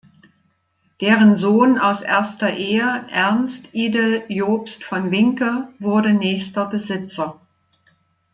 Deren Sohn aus erster Ehe, Ernst Idel Jobst von Vincke wurde nächster Besitzer.